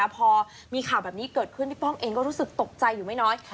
พอมีข่าวแบบนี้เกิดขึ้นพี่ป้องเองก็รู้สึกตกใจอยู่ไม่น้อย